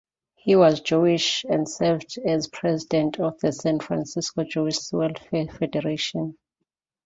He was Jewish, and served as president of the San Francisco Jewish Welfare Federation.